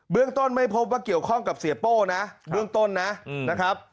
เรื่องต้นไม่พบว่าเกี่ยวข้องกับเสียโป้นะเบื้องต้นนะครับ